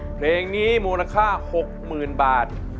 เพลงนี้มูลค่า๖๐๐๐บาท